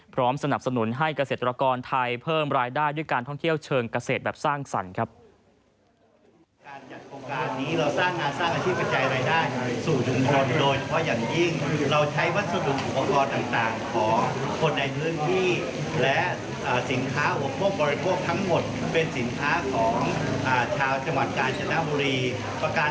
สนับสนุนให้เกษตรกรไทยเพิ่มรายได้ด้วยการท่องเที่ยวเชิงเกษตรแบบสร้างสรรค์ครับ